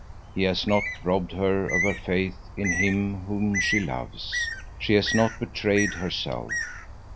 He has not robbed her of her faith in him whom she loves. She has not betrayed herself.